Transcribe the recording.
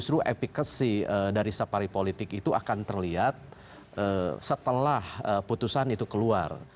justru efekasi dari safari politik itu akan terlihat setelah putusan itu keluar